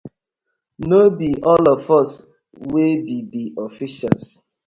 No bi all of us, we bi di officials.